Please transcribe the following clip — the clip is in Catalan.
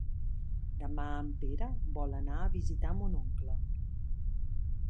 Demà en Pere vol anar a visitar mon oncle.